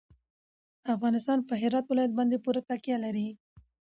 افغانستان په هرات ولایت باندې پوره تکیه لري.